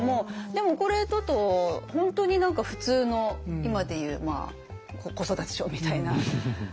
でもこれだと本当に何か普通の今でいう子育て書みたいな。